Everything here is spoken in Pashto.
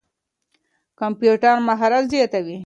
کمپيوټر مهارت زياتوي.